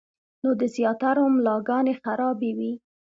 نو د زياترو ملاګانې خرابې وي -